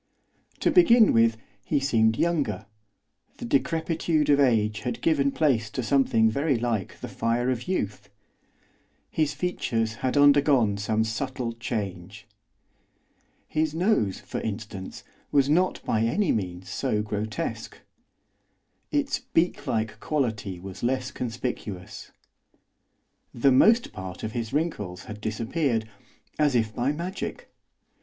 To begin with, he seemed younger, the decrepitude of age had given place to something very like the fire of youth. His features had undergone some subtle change. His nose, for instance, was not by any means so grotesque; its beak like quality was less conspicuous. The most part of his wrinkles had disappeared, as if by magic.